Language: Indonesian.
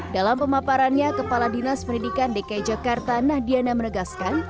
dalam pemaparannya kepala dinas pendidikan dki jakarta nahdiana menegaskan